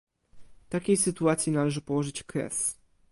Takiej sytuacji należy położyć kres